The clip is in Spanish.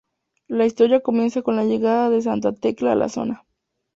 La historia comienza con la llegada de Santa Tecla a la zona.